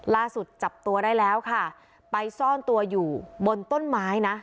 จับตัวได้แล้วค่ะไปซ่อนตัวอยู่บนต้นไม้นะ